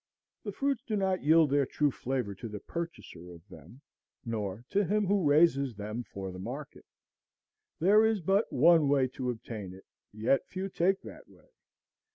The fruits do not yield their true flavor to the purchaser of them, nor to him who raises them for the market. There is but one way to obtain it, yet few take that way.